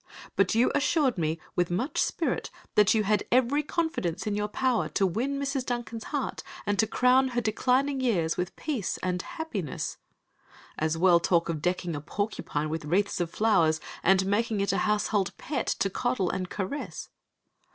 But you assured me with much spirit that you had every confidence in your power to win Mrs. Duncan's heart, and to crown her declining years with peace and happiness. As well talk of decking a porcupine with wreaths of flowers, and making it a household pet, to coddle and caress.